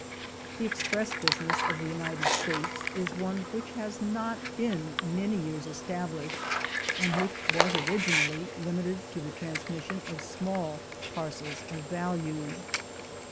The express business of the United States is one which has not been many years established, and which was originally limited to the transmission of small parcels of value.